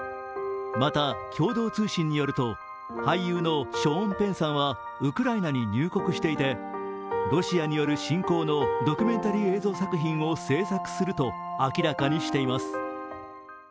また共同通信によると、俳優のショーン・ペンさんはウクライナに入国していて、ロシアによる侵攻のドキュメンタリー映像作品を制作すると明らかにしています。